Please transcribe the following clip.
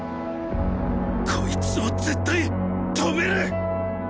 こいつを絶対止める！！